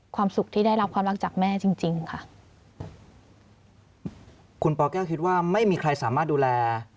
ความสุขที่ได้รับความรักจากแม่จริงจริงค่ะคุณปแก้วคิดว่าไม่มีใครสามารถดูแล